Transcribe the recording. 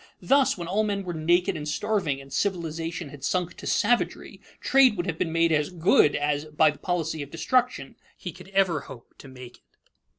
Thus, when all men were naked and starving, and civilization had sunk to savagery, trade would have been made as "good" as, by the policy of destruction, he could ever hope to make it.